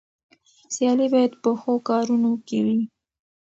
سيالي بايد په ښو کارونو کې وي.